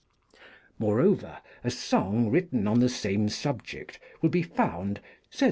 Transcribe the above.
Moreover, a song written on the same subject will be found, says M.